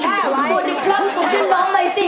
สวัสดีครับผมชื่อบ้าวมายตี้